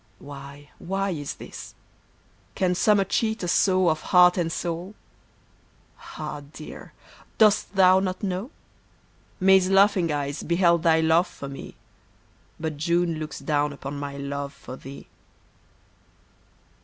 Why, why is this ? Can Summer cheat us so Of heart and soul ? Ah, dear, dost thou not know ? May's laughing eyes beheld thy love for me. But June looks down upon my love for thee.